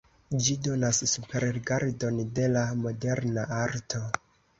Ĝi donas superrigardon de la moderna arto.